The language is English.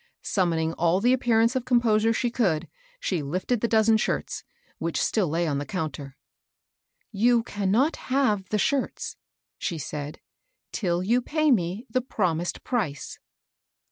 Summoning all the appearance of composure she could, she lifted the dozen shirts, which still lay on the counter. *' You cannot have the shirts," she said, " till you pay me the promised price."